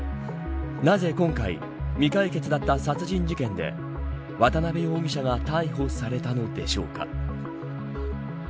なぜ今回未解決だった殺人事件で渡部容疑者が逮捕されたのでしょうか。